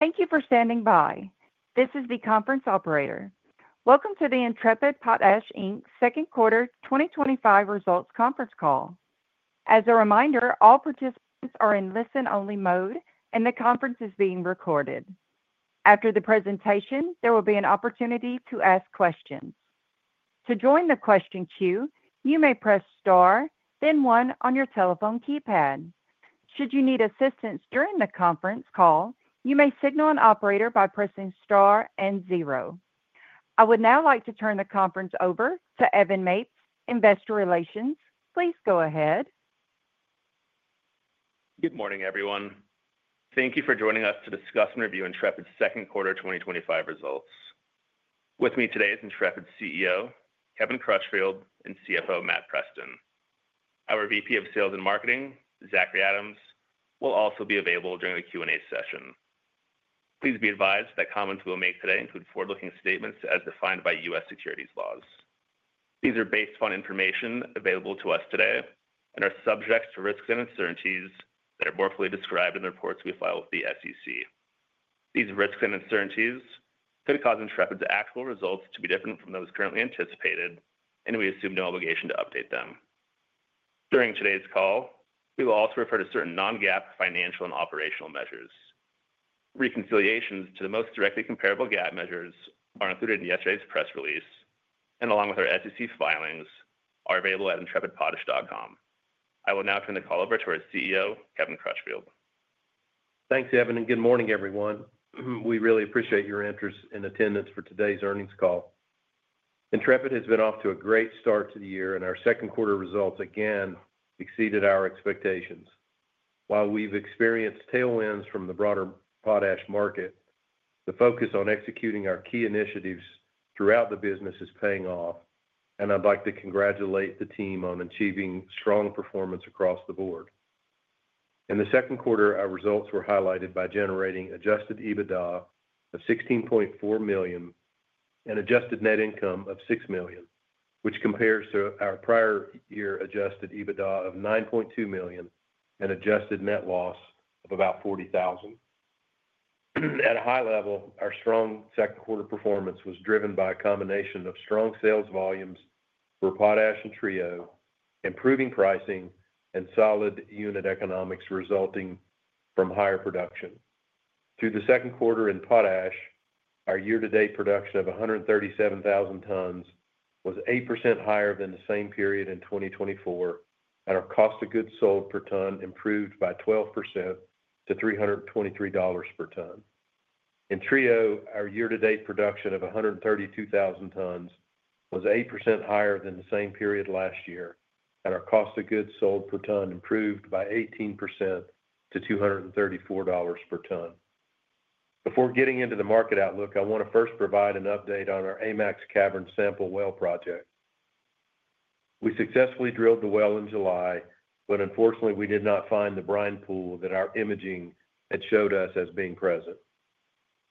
Thank you for standing by. This is the conference operator. Welcome to the Intrepid Potash Inc. Second Quarter 2025 Results Conference Call. As a reminder, all participants are in listen-only mode, and the conference is being recorded. After the presentation, there will be an opportunity to ask questions. To join the question queue, you may press star, then one on your telephone keypad. Should you need assistance during the conference call, you may signal an operator by pressing star and zero. I would now like to turn the conference over to Evan Mapes, Investor Relations. Please go ahead. Good morning, everyone. Thank you for joining us to discuss and review Intrepid Potash's second quarter 2025 results. With me today is Intrepid Potash's CEO, Kevin Crutchfield, and CFO, Matt Preston. Our VP of Sales and Marketing, Zachary Adams, will also be available during the Q&A session. Please be advised that comments we will make today include forward-looking statements as defined by U.S. securities laws. These are based on information available to us today and are subject to risks and uncertainties that are more fully described in the reports we file with the SEC. These risks and uncertainties could cause Intrepid Potash's actual results to be different from those currently anticipated, and we assume no obligation to update them. During today's call, we will also refer to certain non-GAAP financial and operational measures. Reconciliations to the most directly comparable GAAP measures are included in yesterday's press release, and along with our SEC filings, are available at intrepidpotash.com. I will now turn the call over to our CEO, Kevin Crutchfield. Thanks, Evan, and good morning, everyone. We really appreciate your interest in attendance for today's earnings call. Intrepid has been off to a great start to the year, and our second quarter results again exceeded our expectations. While we've experienced tailwinds from the broader potash market, the focus on executing our key initiatives throughout the business is paying off, and I'd like to congratulate the team on achieving strong performance across the board. In the second quarter, our results were highlighted by generating adjusted EBITDA of $16.4 million and adjusted net income of $6 million, which compares to our prior year adjusted EBITDA of $9.2 million and adjusted net loss of about $40,000. At a high level, our strong second quarter performance was driven by a combination of strong sales volumes for potash and Trio, improving pricing, and solid unit economics resulting from higher production. Through the second quarter in potash, our year-to-date production of 137,000 tons was 8% higher than the same period in 2023, and our cost of goods sold per ton improved by 12% to $323 per ton. In Trio, our year-to-date production of 132,000 tons was 8% higher than the same period last year, and our cost of goods sold per ton improved by 18% to $234 per ton. Before getting into the market outlook, I want to first provide an update on our AMAX cavern sample well project. We successfully drilled the well in July, but unfortunately, we did not find the brine pool that our imaging had showed us as being present.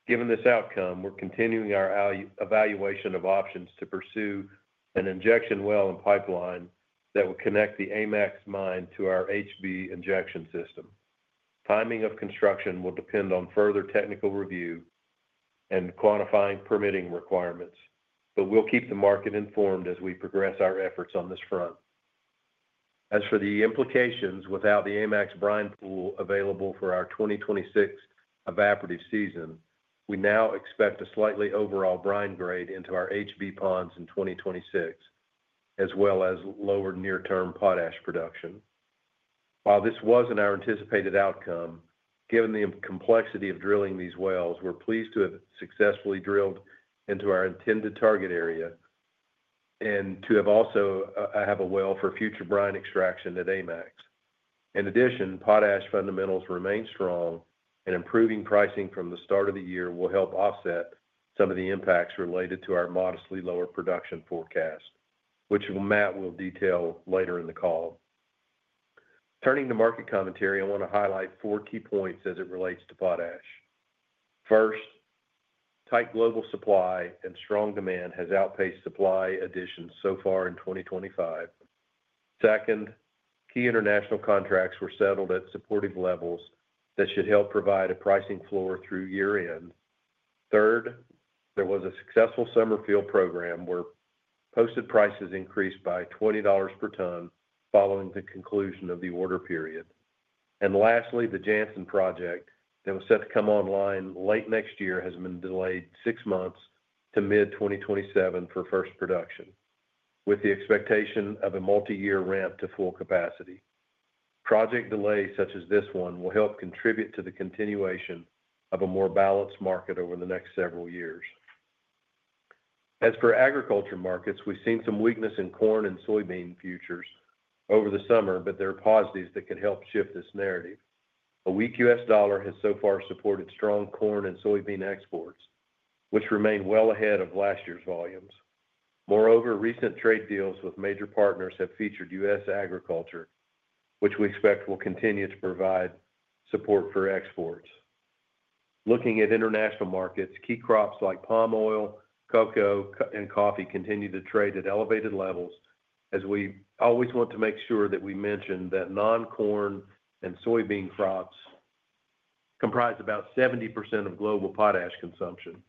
Given this outcome, we're continuing our evaluation of options to pursue an injection well and pipeline that will connect the AMAX mine to our HB injection system. Timing of construction will depend on further technical review and quantifying permitting requirements, but we'll keep the market informed as we progress our efforts on this front. As for the implications, without the AMAX brine pool available for our 2026 evaporative season, we now expect a slightly overall brine grade into our HB ponds in 2026, as well as lower near-term potash production. While this wasn't our anticipated outcome, given the complexity of drilling these wells, we're pleased to have successfully drilled into our intended target area and to have also have a well for future brine extraction at AMAX. In addition, potash fundamentals remain strong, and improving pricing from the start of the year will help offset some of the impacts related to our modestly lower production forecast, which Matt will detail later in the call. Turning to market commentary, I want to highlight four key points as it relates to potash. First, tight global supply and strong demand has outpaced supply additions so far in 2025. Second, key international contracts were settled at supportive levels that should help provide a pricing floor through year-end. Third, there was a successful summer field program where posted prices increased by $20 per ton following the conclusion of the order period. Lastly, the Jansen project that was set to come online late next year has been delayed six months to mid-2027 for first production, with the expectation of a multi-year ramp to full capacity. Project delays such as this one will help contribute to the continuation of a more balanced market over the next several years. As per agriculture markets, we've seen some weakness in corn and soybean futures over the summer, but there are positives that could help shift this narrative. A weak U.S. dollar has so far supported strong corn and soybean exports, which remain well ahead of last year's volumes. Moreover, recent trade deals with major partners have featured U.S. agriculture, which we expect will continue to provide support for exports. Looking at international markets, key crops like palm oil, cocoa, and coffee continue to trade at elevated levels, as we always want to make sure that we mention that non-corn and soybean crops comprise about 70% of global potash consumption.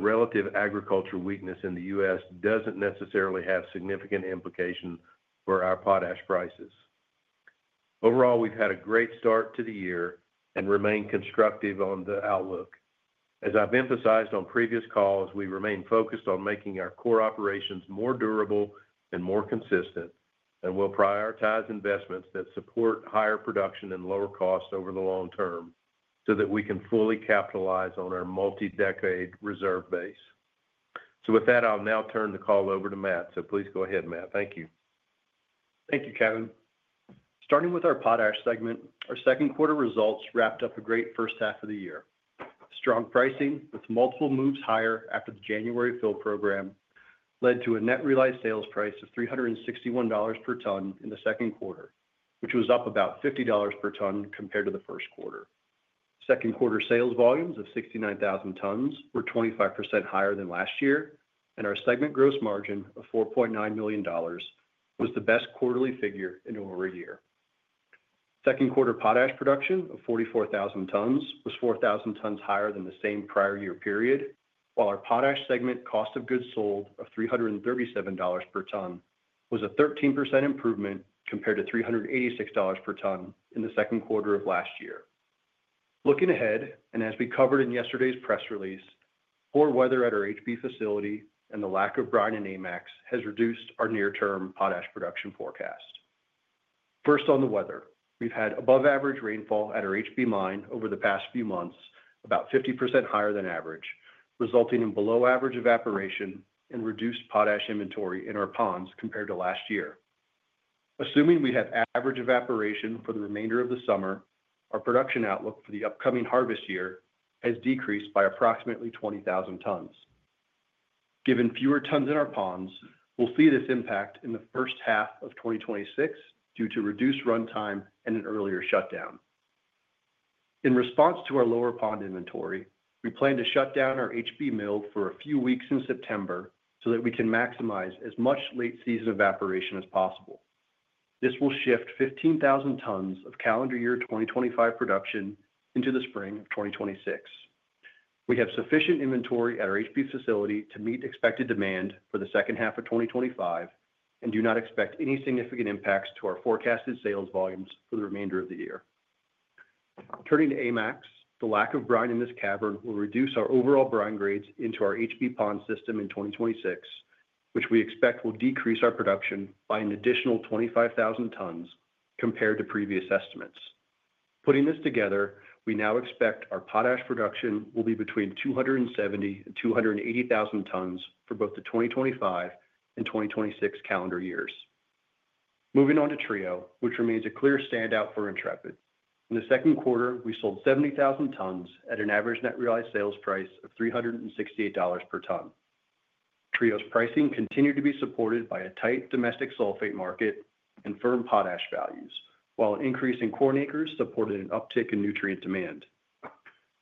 Relative agricultural weakness in the U.S. doesn't necessarily have significant implications for our potash prices. Overall, we've had a great start to the year and remain constructive on the outlook. As I've emphasized on previous calls, we remain focused on making our core operations more durable and more consistent, and we'll prioritize investments that support higher production and lower costs over the long term so that we can fully capitalize on our multi-decade reserve base. With that, I'll now turn the call over to Matt. Please go ahead, Matt. Thank you. Thank you, Kevin. Starting with our Potash segment, our second quarter results wrapped up a great first half of the year. Strong pricing, with multiple moves higher after the January fill program, led to a net relay sales price of $361 per ton in the second quarter, which was up about $50 per ton compared to the first quarter. Second quarter sales volumes of 69,000 tons were 25% higher than last year, and our segment gross margin of $4.9 million was the best quarterly figure in over a year. Second quarter Potash production of 44,000 tons was 4,000 tons higher than the same prior year period, while our Potash segment cost of goods sold of $337 per ton was a 13% improvement compared to $386 per ton in the second quarter of last year. Looking ahead, and as we covered in yesterday's press release, poor weather at our HB facility and the lack of brine in AMAX has reduced our near-term Potash production forecast. First on the weather, we've had above-average rainfall at our HB mine over the past few months, about 50% higher than average, resulting in below-average evaporation and reduced Potash inventory in our ponds compared to last year. Assuming we have average evaporation for the remainder of the summer, our production outlook for the upcoming harvest year has decreased by approximately 20,000 tons. Given fewer tons in our ponds, we'll see this impact in the first half of 2026 due to reduced runtime and an earlier shutdown. In response to our lower pond inventory, we plan to shut down our HB mill for a few weeks in September so that we can maximize as much late-season evaporation as possible. This will shift 15,000 tons of calendar year 2025 production into the spring of 2026. We have sufficient inventory at our HB facility to meet expected demand for the second half of 2025 and do not expect any significant impacts to our forecasted sales volumes for the remainder of the year. Turning to AMAX, the lack of brine in this cavern will reduce our overall brine grades into our HB pond system in 2026, which we expect will decrease our production by an additional 25,000 tons compared to previous estimates. Putting this together, we now expect our Potash production will be between 270,000 and 280,000 tons for both the 2025 and 2026 calendar years. Moving on to Trio, which remains a clear standout for Intrepid. In the second quarter, we sold 70,000 tons at an average net relay sales price of $368 per ton. Trio's pricing continued to be supported by a tight domestic sulfate market and firm potash values, while an increase in corn acres supported an uptick in nutrient demand.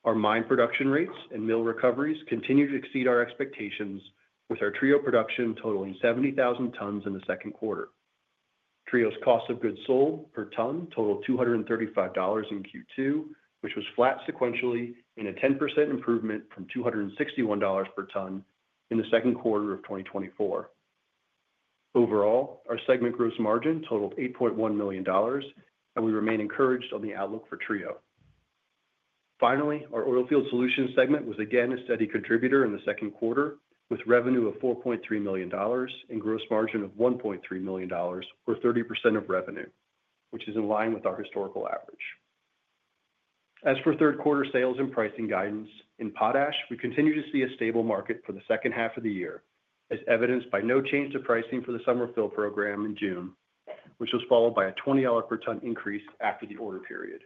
Our mine production rates and mill recoveries continued to exceed our expectations, with our Trio production totaling 70,000 tons in the second quarter. Trio's cost of goods sold per ton totaled $235 in Q2, which was flat sequentially and a 10% improvement from $261 per ton in the second quarter of 2024. Overall, our segment gross margin totaled $8.1 million, and we remain encouraged on the outlook for Trio. Finally, our Oilfield Solutions segment was again a steady contributor in the second quarter, with revenue of $4.3 million and gross margin of $1.3 million, or 30% of revenue, which is in line with our historical average. As for third quarter sales and pricing guidance, in potash, we continue to see a stable market for the second half of the year, as evidenced by no change to pricing for the summer fill program in June, which was followed by a $20 per ton increase after the order period.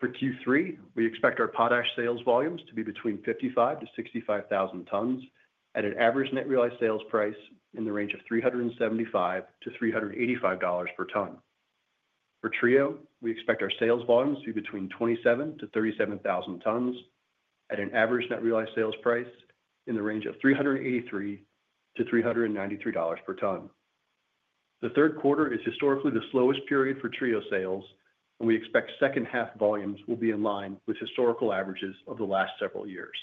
For Q3, we expect our potash sales volumes to be between 55,000-65,000 tons at an average net relay sales price in the range of $375-$385 per ton. For Trio, we expect our sales volumes to be between 27,000 to 37,000 tons at an average net relay sales price in the range of $383-$393 per ton. The third quarter is historically the slowest period for Trio sales, and we expect second half volumes will be in line with historical averages of the last several years.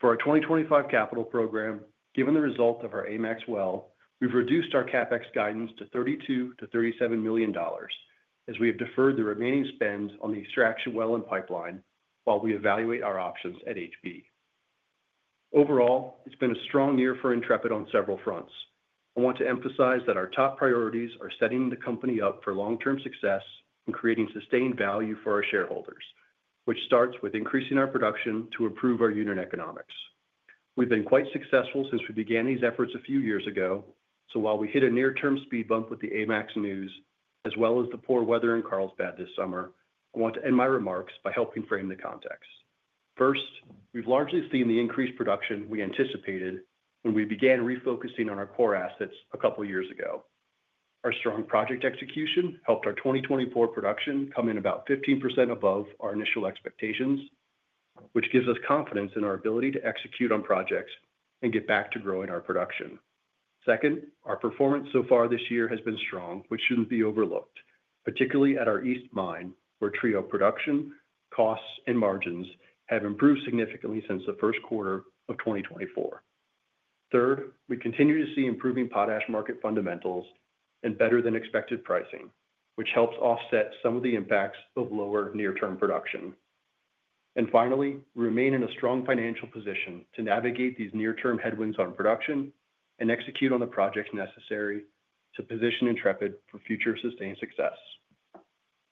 For our 2025 capital program, given the result of our AMAX well, we've reduced our CapEx guidance to $32-$37 million, as we have deferred the remaining spends on the extraction well and pipeline while we evaluate our options at HB. Overall, it's been a strong year for Intrepid on several fronts. I want to emphasize that our top priorities are setting the company up for long-term success and creating sustained value for our shareholders, which starts with increasing our production to improve our unit economics. We've been quite successful since we began these efforts a few years ago, so while we hit a near-term speed bump with the AMAX news, as well as the poor weather in Carlsbad this summer, I want to end my remarks by helping frame the context. First, we've largely seen the increased production we anticipated when we began refocusing on our core assets a couple of years ago. Our strong project execution helped our 2024 production come in about 15% above our initial expectations, which gives us confidence in our ability to execute on projects and get back to growing our production. Second, our performance so far this year has been strong, which shouldn't be overlooked, particularly at our East mine, where Trio production, costs, and margins have improved significantly since the first quarter of 2024. Third, we continue to see improving potash market fundamentals and better-than-expected pricing, which helps offset some of the impacts of lower near-term production. Finally, we remain in a strong financial position to navigate these near-term headwinds on production and execute on the projects necessary to position Intrepid for future sustained success.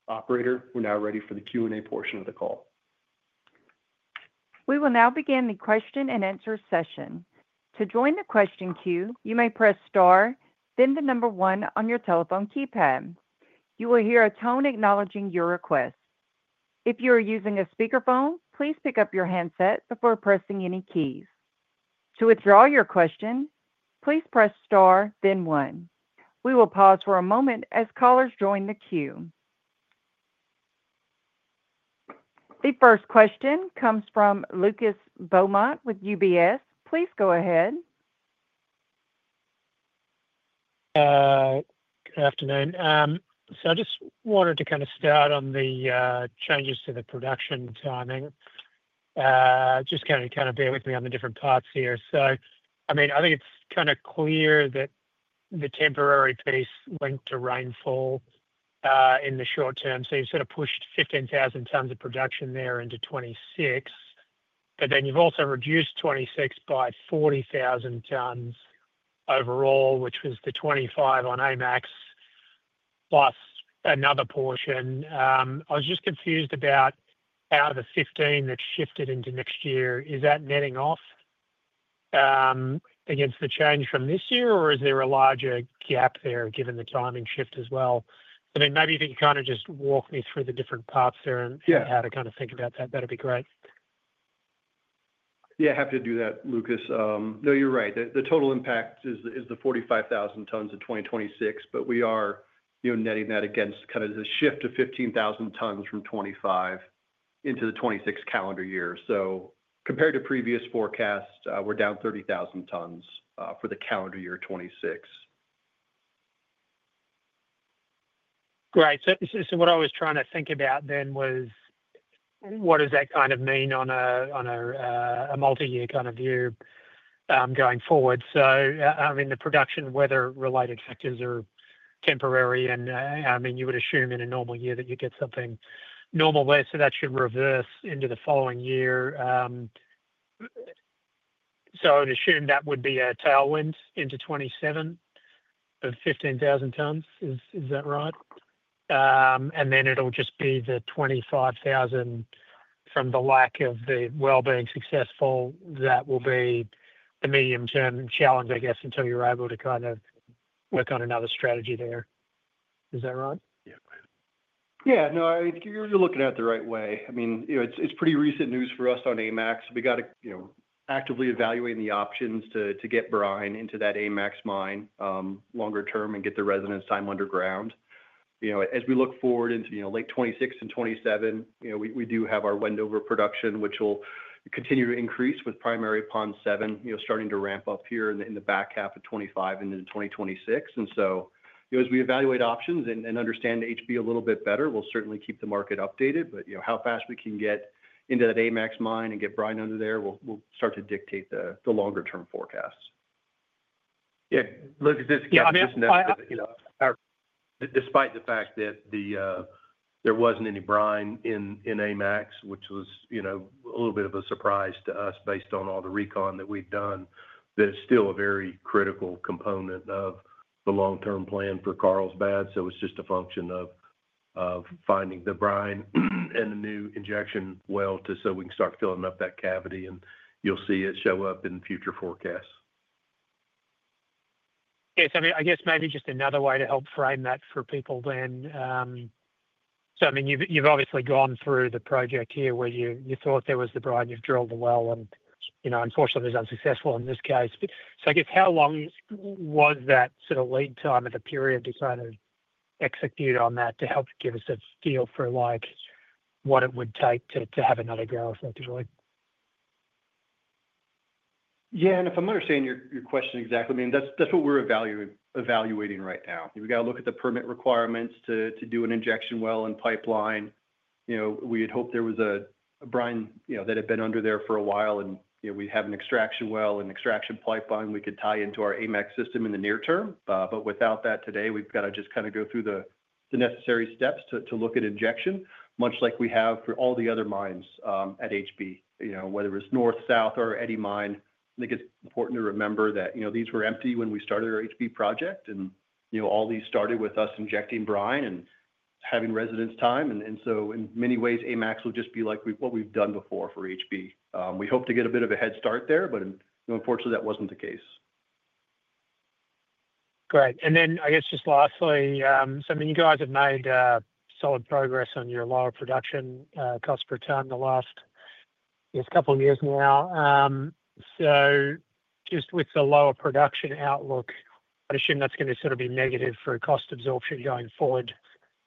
Operator, we're now ready for the Q&A portion of the call. We will now begin the question and answer session. To join the question queue, you may press star, then the number one on your telephone keypad. You will hear a tone acknowledging your request. If you are using a speakerphone, please pick up your handset before pressing any keys. To withdraw your question, please press star, then one. We will pause for a moment as callers join the queue. The first question comes from Lucas Beaumont with UBS. Please go ahead. Good afternoon. I just wanted to start on the changes to the production timing. I think it's clear that the temporary piece is linked to rainfall in the short term. You've pushed 15,000 tons of production into 2026, but you've also reduced 2026 by 40,000 tons overall, which was the 25,000 on the AMAX cavern sample well project plus another portion. I was just confused about, out of the 15,000 that shifted into next year, is that netting off against the change from this year, or is there a larger gap there given the timing shift as well? Maybe if you could just walk me through the different parts there and how to think about that, that'd be great. Yeah, happy to do that, Lucas. No, you're right. The total impact is the 45,000 tons of 2026, but we are netting that against kind of the shift of 15,000 tons from 2025 into the 2026 calendar year. Compared to previous forecasts, we're down 30,000 tons for the calendar year 2026. Right. What I was trying to think about then was what does that kind of mean on a multi-year kind of view going forward? The production weather-related factors are temporary, and you would assume in a normal year that you'd get something normal there. That should reverse into the following year. I would assume that would be a tailwind into 2027 of 15,000 tons. Is that right? Then it'll just be the 25,000 from the lack of the well being successful. That will be the medium-term challenge, I guess, until you're able to kind of work on another strategy there. Is that right? Yeah, no, I think you're looking at it the right way. I mean, it's pretty recent news for us on AMAX. We got to actively evaluate the options to get brine into that AMAX mine longer term and get the residents time underground. As we look forward into late 2026 and 2027, we do have our Wendover production, which will continue to increase with primary pond seven starting to ramp up here in the back half of 2025 into 2026. As we evaluate options and understand HB a little bit better, we'll certainly keep the market updated. How fast we can get into that AMAX mine and get brine under there will start to dictate the longer-term forecasts. Yeah, Lucas, it's just, despite the fact that there wasn't any brine in AMAX, which was a little bit of a surprise to us based on all the recon that we've done, that is still a very critical component of the long-term plan for Carlsbad. It's just a function of finding the brine and the new injection well so we can start filling up that cavity, and you'll see it show up in the future forecasts. I guess maybe just another way to help frame that for people then. I mean, you've obviously gone through the project here where you thought there was the brine, you've drilled the well, and unfortunately, it was unsuccessful in this case. I guess how long was that sort of lead time of the period to kind of execute on that to help give us a feel for what it would take to have another go effectively? Yeah, and if I'm understanding your question exactly, that's what we're evaluating right now. We have to look at the permit requirements to do an injection well and pipeline. We had hoped there was a brine that had been under there for a while, and we'd have an extraction well and an extraction pipeline we could tie into our AMAX system in the near term. Without that today, we have to just go through the necessary steps to look at injection, much like we have for all the other mines at HB, whether it's North, South, or Eddy Mine. I think it's important to remember that these were empty when we started our HB project, and all these started with us injecting brine and having residence time. In many ways, AMAX will just be like what we've done before for HB. We hoped to get a bit of a head start there, but unfortunately, that wasn't the case. Great. Lastly, you guys have made solid progress on your lower production cost per ton the last couple of years now. With the lower production outlook, I assume that's going to sort of be negative for cost absorption going forward.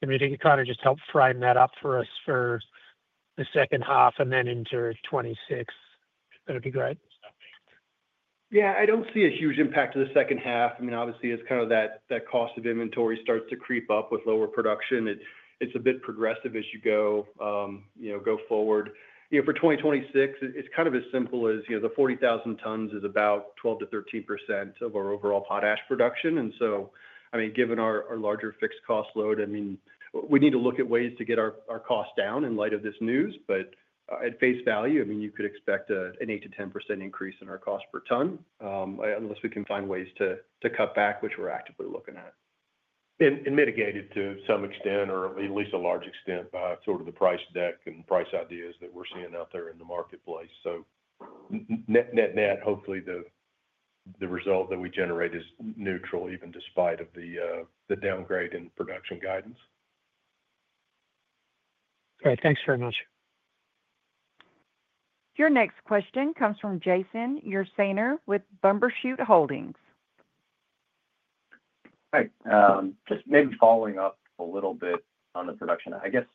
If you could kind of just help frame that up for us for the second half and then into 2026, that'd be great. Yeah, I don't see a huge impact to the second half. Obviously, it's kind of that cost of inventory starts to creep up with lower production. It's a bit progressive as you go forward. For 2026, it's kind of as simple as the 40,000 tons is about 12-13% of our overall Potash production. Given our larger fixed cost load, we need to look at ways to get our costs down in light of this news. At face value, you could expect an 8-10% increase in our cost per ton unless we can find ways to cut back, which we're actively looking at. Mitigate it to some extent, or at least a large extent, sort of the price deck and price ideas that we're seeing out there in the marketplace. Net net, hopefully, the result that we generate is neutral, even despite the downgrade in production guidance. All right, thanks very much. Your next question comes from Jason Ursaner with Bumbershoot Holdings. Hey, just maybe following up a little bit on the production. I guess,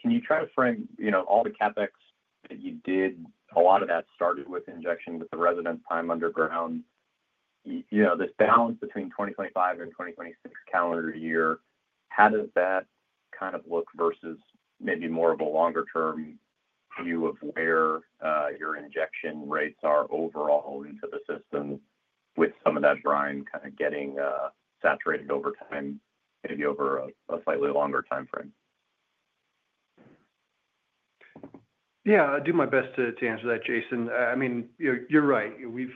can you try to frame, you know, all the CapEx that you did? A lot of that started with injection with the residence time underground. You know, this balance between 2025 and 2026 calendar year, how does that kind of look versus maybe more of a longer-term view of where your injection rates are overall into the system with some of that brine kind of getting saturated over time, maybe over a slightly longer time frame? Yeah, I'll do my best to answer that, Jason. I mean, you're right. We've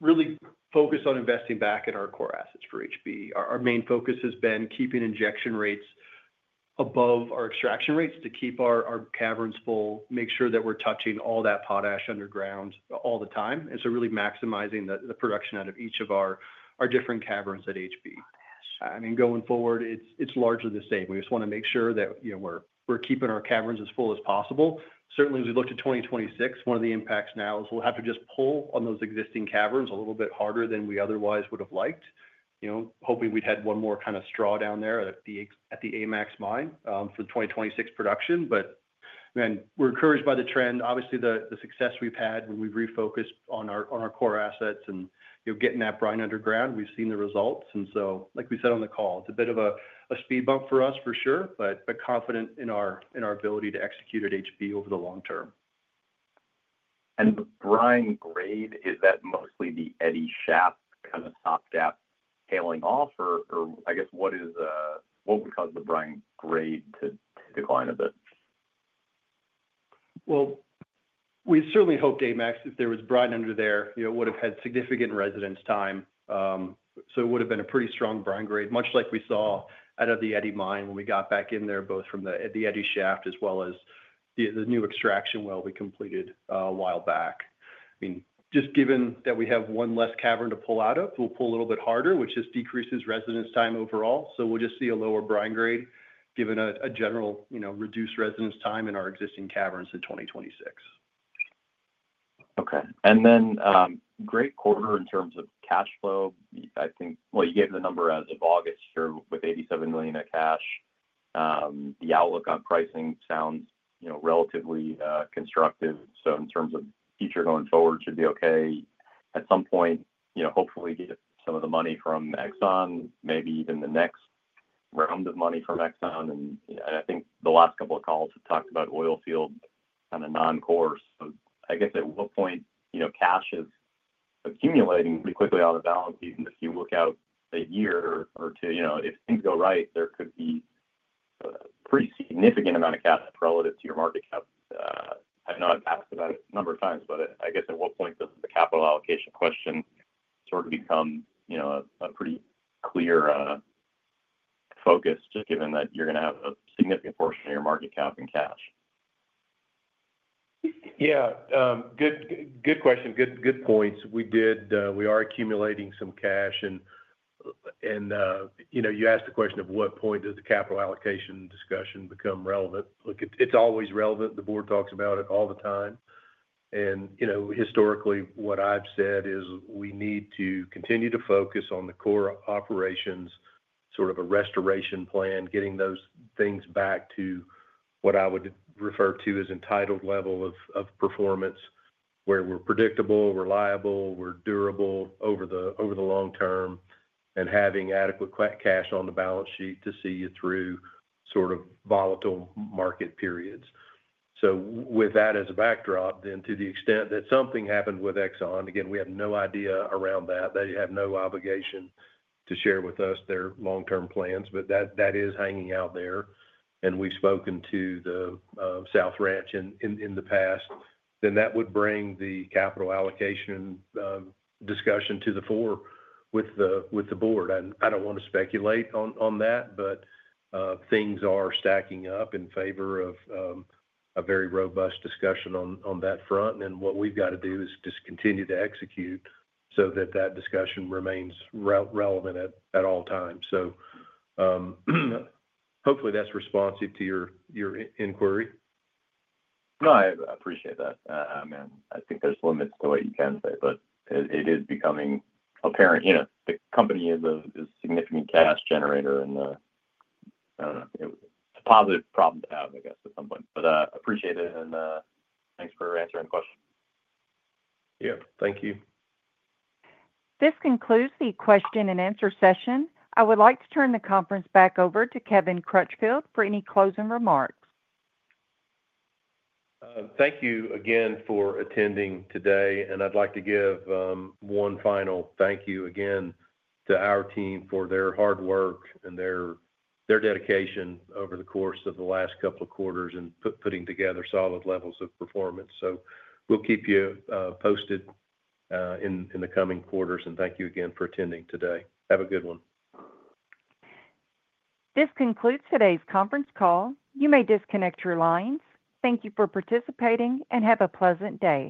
really focused on investing back in our core assets for HB. Our main focus has been keeping injection rates above our extraction rates to keep our caverns full, make sure that we're touching all that potash underground all the time, and really maximizing the production out of each of our different caverns at HB. I mean, going forward, it's largely the same. We just want to make sure that we're keeping our caverns as full as possible. Certainly, as we look to 2026, one of the impacts now is we'll have to just pull on those existing caverns a little bit harder than we otherwise would have liked. Hoping we'd had one more kind of straw down there at the AMAX cavern sample well project for the 2026 production. We're encouraged by the trend. Obviously, the success we've had when we've refocused on our core assets and getting that brine underground, we've seen the results. Like we said on the call, it's a bit of a speed bump for us for sure, but confident in our ability to execute at HB over the long term. Is the brine grade mostly the Eddy Shaft kind of top depth tailing off? What would cause the brine grade to decline a bit? hoped the AMAX cavern sample well project, if there was brine under there, would have had significant residence time. It would have been a pretty strong brine grade, much like we saw out of the Eddy Mine when we got back in there, both from the Eddy Shaft as well as the new extraction well we completed a while back. Just given that we have one less cavern to pull out of, we'll pull a little bit harder, which just decreases residence time overall. We'll just see a lower brine grade, given a general reduced residence time in our existing caverns in 2026. Okay. Great quarter in terms of cash flow. I think you gave the number as of August, you're with $87 million in cash. The outlook on pricing sounds, you know, relatively constructive. In terms of future going forward, it should be okay. At some point, you know, hopefully get some of the money from Exxon, maybe even the next round of money from Exxon. I think the last couple of calls have talked about Oilfield Solutions kind of non-core. I guess at what point, you know, cash is accumulating pretty quickly on the balance. Even if you look out a year or two, you know, if things go right, there could be a pretty significant amount of capital relative to your market cap. I know I've asked about it a number of times, but I guess at what point does the capital allocation question sort of become, you know, a pretty clear focus, just given that you're going to have a significant portion of your market cap in cash? Good question. Good points. We did, we are accumulating some cash. You asked the question of what point does the capital allocation discussion become relevant. Look, it's always relevant. The board talks about it all the time. Historically, what I've said is we need to continue to focus on the core operations, sort of a restoration plan, getting those things back to what I would refer to as an entitled level of performance, where we're predictable, reliable, we're durable over the long term, and having adequate cash on the balance sheet to see you through sort of volatile market periods. With that as a backdrop, to the extent that something happened with Exxon, again, we have no idea around that. They have no obligation to share with us their long-term plans, but that is hanging out there. We've spoken to the South Ranch in the past. That would bring the capital allocation discussion to the fore with the board. I don't want to speculate on that, but things are stacking up in favor of a very robust discussion on that front. What we've got to do is just continue to execute so that that discussion remains relevant at all times. Hopefully that's responsive to your inquiry. No, I appreciate that. I think there's limits to what you can say, but it is becoming apparent. The company is a significant cash generator, and I don't know, it's a positive problem to have, I guess, at some point. I appreciate it, and thanks for answering the question. Yeah, thank you. This concludes the question and answer session. I would like to turn the conference back over to Kevin Crutchfield for any closing remarks. Thank you again for attending today. I'd like to give one final thank you again to our team for their hard work and their dedication over the course of the last couple of quarters in putting together solid levels of performance. We'll keep you posted in the coming quarters. Thank you again for attending today. Have a good one. This concludes today's conference call. You may disconnect your lines. Thank you for participating and have a pleasant day.